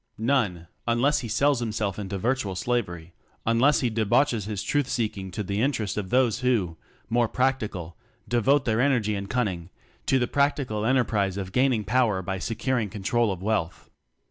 None, unless he sells himself into virtual slavery; unless he debauches his truth seeking to the interest of those who more "practical" devote their energy and cunning to the "prac tical" enterprise of gaining power by securing control of wealth.